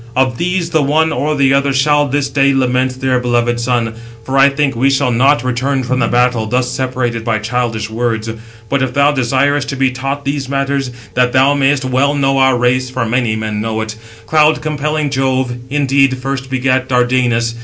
Of these the one or the other shall this day lament their beloved son; for I think we shall not return from the battle thus separated by childish words. But if thou desirest to be taught these matters, that thou mayest well know our race (for many men know it), cloud compelling Jove indeed first begat Dardanus.